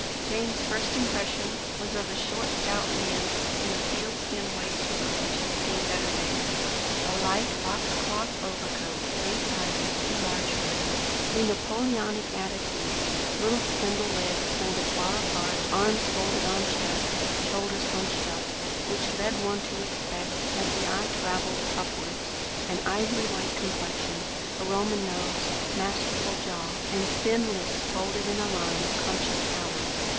Jane's first impression was of a short, stout man, in a sealskin waistcoat which had seen better days, a light box cloth overcoat three sizes too large for him, a Napoleonic attitude, little spindle legs planted far apart, arms folded on chest, shoulders hunched up, which led one to expect, as the eye travelled upwards, an ivory white complexion, a Roman nose, masterful jaw, and thin lips folded in a line of conscious power.